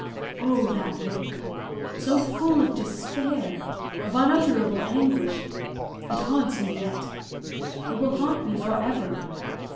Oh, that look! so full of despair, of unutterable anguish; it haunts me yet it will haunt me for ever.